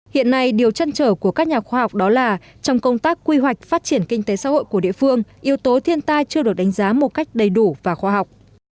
hiện nay điều chăn trở của các nhà khoa học đó là trong công tác quy hoạch phát triển kinh tế xã hội của địa phương yếu tố thiên tai chưa được đánh giá một cách đầy đủ và khoa học